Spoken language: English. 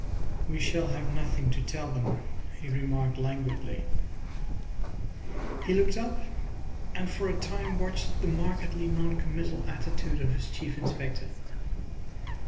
"We shall have nothing to tell them," he remarked languidly. He looked up, and for a time watched the markedly non committal attitude of his Chief Inspector.